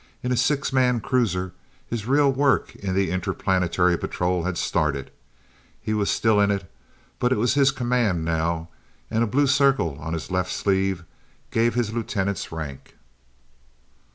In a six man cruiser, his real work in the Interplanetary Patrol had started. He was still in it but it was his command now, and a blue circle on his left sleeve gave his lieutenant's rank.